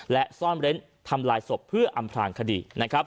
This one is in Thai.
และซ่อนเร้นทำลายศพเพื่ออำพลางคดีนะครับ